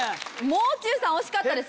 もう中さん惜しかったですね。